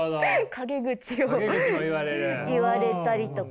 陰口を言われたりとか。